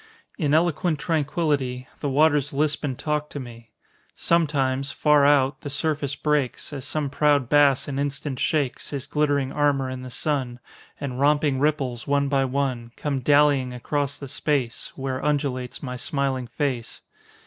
In eloquent tranquility The waters lisp and talk to me. Sometimes, far out, the surface breaks, As some proud bass an instant shakes His glittering armor in the sun, And romping ripples, one by one, Come dallyiong across the space Where undulates my smiling face.